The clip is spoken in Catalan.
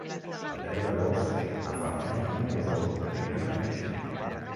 El deu d'agost na Farners i na Rosó aniran al metge.